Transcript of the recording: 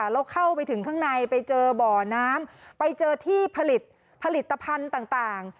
แล้วเข้าไปถึงข้างในไปเจอบ่อน้ำไปเจอที่ผลิตผลิตภัณฑ์ต่าง